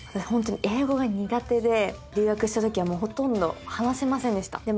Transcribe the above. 本当に英語が苦手で留学した時はもうほとんど話せませんでした。